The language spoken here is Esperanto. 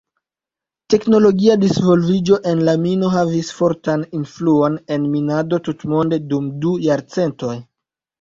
Teknologia disvolviĝo en la mino havis fortan influon en minado tutmonde dum du jarcentoj.